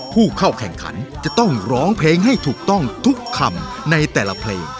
ผู้เข้าแข่งขันจะต้องร้องเพลงให้ถูกต้องทุกคำในแต่ละเพลง